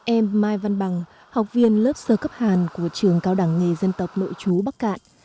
em mai văn bằng học viên lớp sơ cấp hàn của trường cao đẳng nghề dân tộc nội chú bắc cạn